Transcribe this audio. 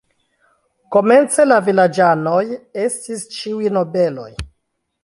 Komence la vilaĝanoj estis ĉiuj nobeloj.